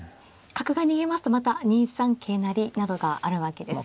角が逃げますとまた２三桂成などがあるわけですね。